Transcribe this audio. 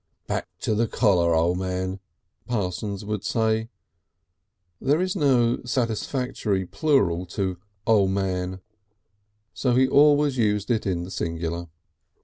"Back to the collar, O' Man," Parsons would say. There is no satisfactory plural to O' Man, so he always used it in the singular.